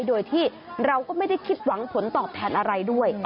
โดยที่เราก็ไม่ได้คิดหวังผลตอบแทนอะไรด้วย